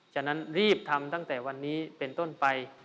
ฉะนั้นรีบทำตั้งแต่วันนี้เป็นต้นไป